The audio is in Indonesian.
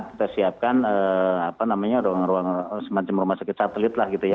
kita siapkan apa namanya ruang ruang semacam rumah sakit satelit lah gitu ya